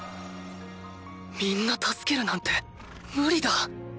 みんな助けるなんて無理だ！